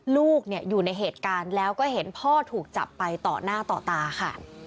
ลูกอยู่ในเหตุการณ์แล้วก็เห็นพ่อถูกจับไปต่อหน้าต่อตาค่ะ